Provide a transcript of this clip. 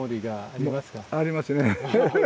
ありますね。